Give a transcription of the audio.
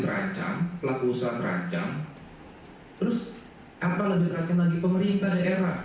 terus apa lagi terancam lagi pemerintah daerah